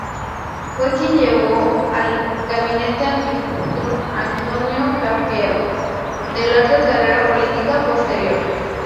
Fue quien llevó al gabinete al ministro Antonio Cafiero, de larga carrera política posterior.